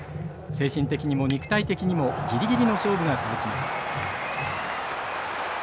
精神的にも肉体的にもギリギリの勝負が続きます。